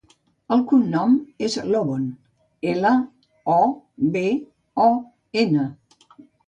El cognom és Lobon: ela, o, be, o, ena.